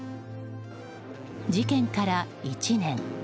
事件から１年。